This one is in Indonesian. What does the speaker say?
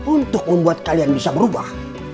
untuk membuat kalian bisa berubah